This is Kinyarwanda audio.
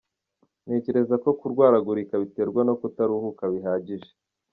Ntekereza ko kurwaragurika biterwa no kutaruhuka bihagije.